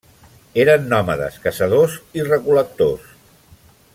Eren nòmades, caçadors i recol·lectors.